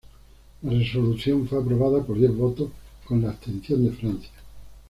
La resolución fue aprobada por diez votos con la abstención de Francia.